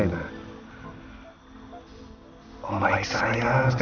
iya om baik